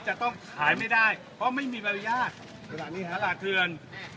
จะต้องขายไม่ได้เพราะไม่มีมารยาทตลาดเทือน